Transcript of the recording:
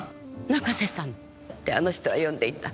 「ナカセさん」ってあの人は呼んでいた。